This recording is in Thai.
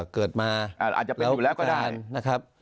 เกิดมาแล้วอุปการณ์